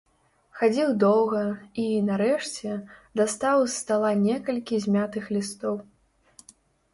Хадзіў доўга і, нарэшце, дастаў з стала некалькі змятых лістоў.